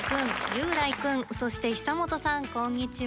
雄大くんそして久本さんこんにちは。